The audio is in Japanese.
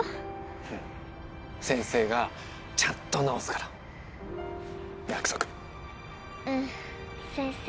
うん先生がちゃんと治すから約束うん先生